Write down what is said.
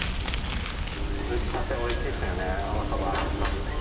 打ちたて、おいしいっすよね、おそば。